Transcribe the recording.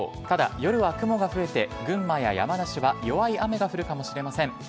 ただ、夜は雲が増えて群馬や山梨は弱い雨が降るかもしれません。